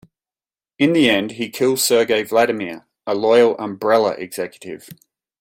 In the end he kills Sergei Vladimir, a loyal Umbrella executive.